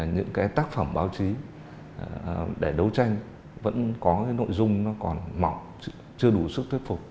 những tác phẩm báo chí để đấu tranh vẫn có nội dung còn mỏng chưa đủ sức thuyết phục